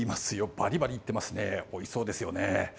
ばりばりいってますね、おいしそうですよね。